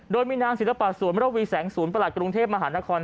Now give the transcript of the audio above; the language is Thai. โดยมีนางศิลปะสวนมรวีแสงศูนย์ประหลัดกรุงเทพมหานคร